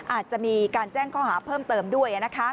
อาจจะมีการแจ้งข้อหาเพิ่มเติมด้วย